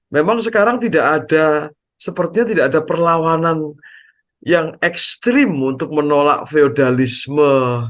memang sekarang tidak ada sepertinya tidak ada perlawanan yang ekstrim untuk menolak feodalisme